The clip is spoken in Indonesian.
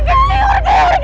pergi pergi pergi